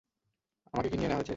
আমাকে কি নিয়ে নেয়া হয়েছে?